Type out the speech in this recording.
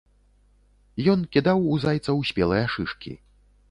Ён кідаў у зайцаў спелыя шышкі.